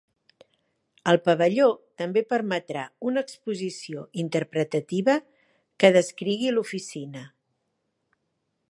El pavelló també permetrà una exposició interpretativa que descrigui l'oficina.